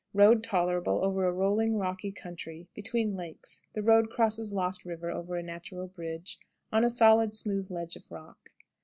Road tolerable over a rolling, rocky country, between lakes. The road crosses Lost River over a natural bridge, on a solid, smooth ledge of rock.